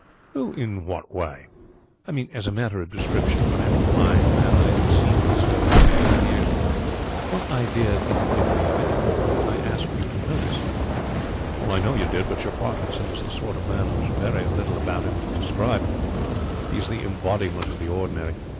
"In what way?" "I mean as a matter of description. I am a blind man I haven't seen my servant for twelve years what idea can you give me of him? I asked you to notice." "I know you did, but your Parkinson is the sort of man who has very little about him to describe. He is the embodiment of the ordinary.